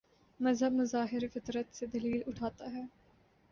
مذہب مظاہر فطرت سے دلیل اٹھاتا ہے۔